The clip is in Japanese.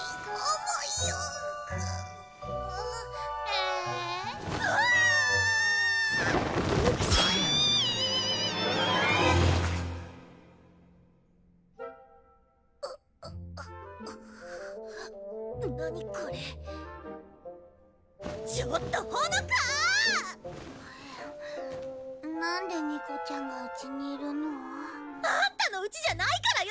むにゃなんでにこちゃんがうちにいるの？あんたのうちじゃないからよ！